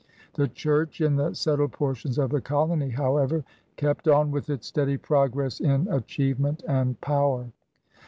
The Church in the settled portions of the colony, however, kept on with its steady progress in achievement and power.